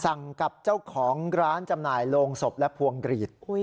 กับเจ้าของร้านจำหน่ายโรงศพและพวงกรีด